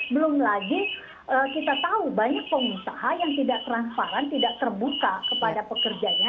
belum lagi kita tahu banyak pengusaha yang tidak transparan tidak terbuka kepada pekerjanya